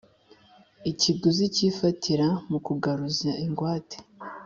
Ikiguzi cy ifatira mu kugaruza ingwate